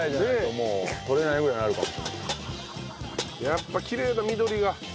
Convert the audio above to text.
やっぱきれいだ緑が。